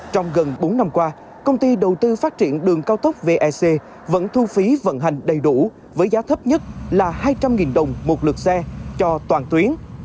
trong gần bốn năm qua công ty đầu tư phát triển đường cao tốc vec vẫn thu phí vận hành đầy đủ với giá thấp nhất là hai trăm linh đồng một lượt xe cho toàn tuyến